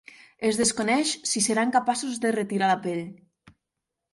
Es desconeix si seran capaços de retirar la pell.